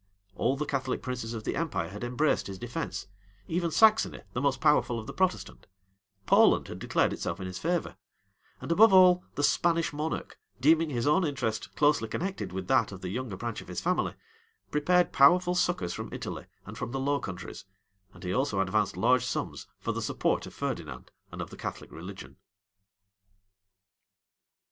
All the Catholic princes of the empire had embraced his defence; even Saxony, the most powerful of the Protestant: Poland had declared itself in his favor;[] and, above all, the Spanish monarch, deeming his own interest closely connected with that of the younger branch of his family, prepared powerful succors from Italy, and from the Low Countries; and he also advanced large sums for the support of Ferdinand and of the Catholic religion.